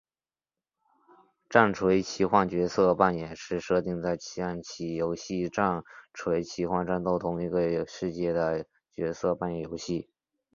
战锤奇幻角色扮演是设定在战棋游戏战锤奇幻战斗同一个世界的角色扮演游戏。